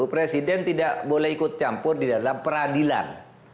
presiden tidak boleh ikut campur di dalam peradilan